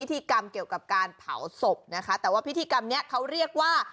พิธีกรรมเกี่ยวกับการเผาศพนะคะแต่ว่าพิธีกรรมนี้เขาเรียกว่า